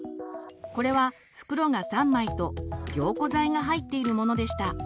これは袋が３枚と凝固剤が入っているものでした。